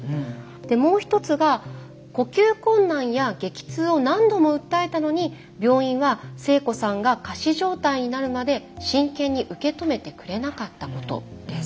もう一つが「呼吸困難や激痛を何度も訴えたのに病院は星子さんが仮死状態になるまで真剣に受け止めてくれなかったこと」です。